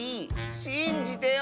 しんじてよ！